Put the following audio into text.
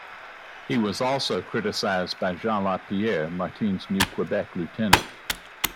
He was also criticized by Jean Lapierre, Martin's new Quebec Lieutenant.